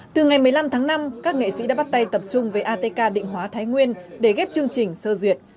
từ ngày một mươi năm tháng năm các nghệ sĩ đã bắt tay tập trung với atk định hóa thái nguyên để ghép chương trình sơ duyệt